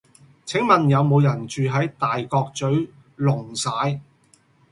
請問有無人住喺大角嘴瓏璽